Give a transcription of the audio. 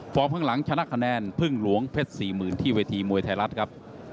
ข้างหลังชนะคะแนนพึ่งหลวงเพชร๔๐๐๐ที่เวทีมวยไทยรัฐครับ